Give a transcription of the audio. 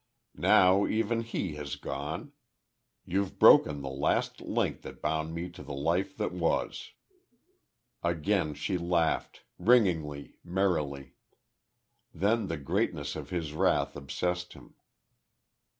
"Now even he has gone. You've broken the last link that bound me to the life that was." Again she laughed, ringingly, merrily. Then the greatness of his wrath obsessed him.